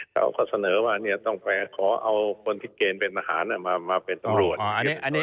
เขาก็เสนอว่าต้องไปขอเอาคนที่เกณฑ์เป็นทหารมาเป็นตำรวจ